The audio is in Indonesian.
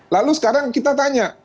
lalu sekarang kita tanya